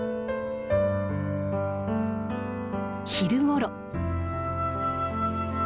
昼ごろ。